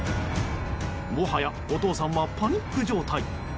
もはやお父さんはパニック状態。